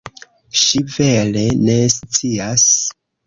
Ŝi vere ne scias.